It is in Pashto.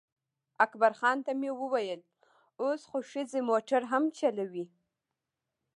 اکبرخان ته مې وویل اوس خو ښځې موټر هم چلوي.